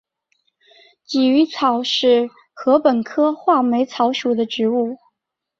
鲫鱼草是禾本科画眉草属的植物。